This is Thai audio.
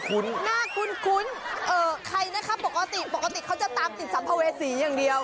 น่าคุ้นใครนะครับปกติปกติเขาจะตามติดสัมภเวษีอย่างเดียว